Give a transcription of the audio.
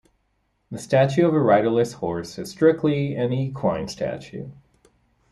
A statue of a riderless horse is strictly an "equine statue".